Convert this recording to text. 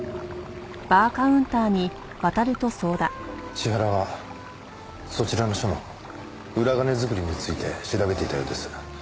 千原はそちらの署の裏金作りについて調べていたようです。